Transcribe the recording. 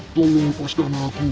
tolong lepaskan aku